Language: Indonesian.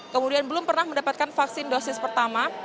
kemudian belum pernah mendapatkan vaksin dosis pertama